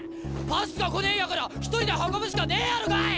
パスが来ねえんやから１人で運ぶしかねえやろがい！